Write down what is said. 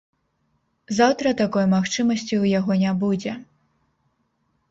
Заўтра такой магчымасці ў яго не будзе.